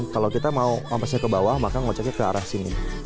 kalau kita mau kompasnya ke bawah maka ngeceknya ke arah sini